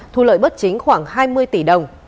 thu lợi bất chính khoảng hai mươi tỷ đồng